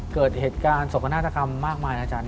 เกิดเหตุการณ์สกนาฏกรรมมากมายนะอาจารย์